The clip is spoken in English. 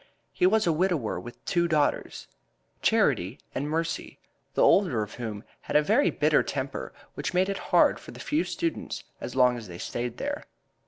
He was a widower with two daughters, Charity and Mercy, the older of whom had a very bitter temper, which made it hard for the few students as long as they stayed there.